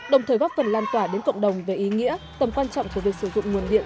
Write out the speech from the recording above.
đồng thời góp phần lan tỏa đến cộng đồng về ý nghĩa tầm quan trọng của việc sử dụng nguồn điện